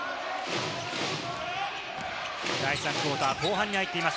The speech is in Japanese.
第３クオーター後半に入っています。